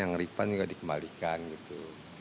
yang repan juga dikembalikan gitu